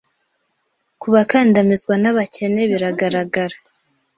ku bakandamizwa n’abakene biragaragara